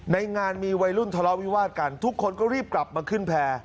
ในงานมีวัยรุ่นทะเลาะวิวาดกันทุกคนก็รีบกลับมาขึ้นแพร่